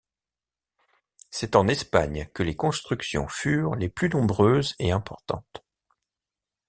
C'est en Espagne que les constructions furent les plus nombreuses et importantes.